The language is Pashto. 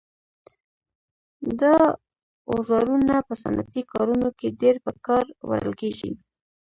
دا اوزارونه په صنعتي کارونو کې ډېر په کار وړل کېږي.